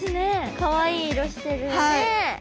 かわいい色してるね。